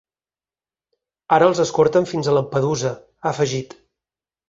Ara els escorten fins a Lampedusa, ha afegit.